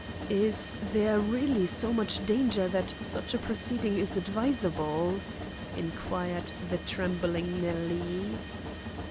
"Is there really so much danger that such a proceeding is advisable?" inquired the trembling Nellie.